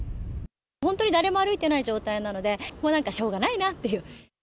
本当に誰も歩いてない状態なので、もうなんか、しょうがないなっていう。